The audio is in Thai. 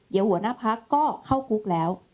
เดี๋ยวหัวหน้าพักก็เข้าคุกแล้ว